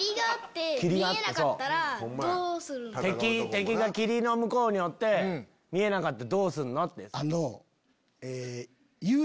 敵が霧の向こうにおって見えなかったらどうすんの？